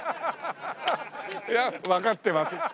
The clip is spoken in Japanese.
いやわかってます。